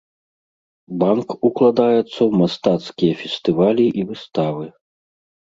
Банк укладаецца ў мастацкія фестывалі і выставы.